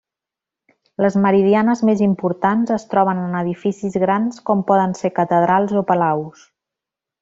Les meridianes més importants es troben en edificis grans com poden ser catedrals o palaus.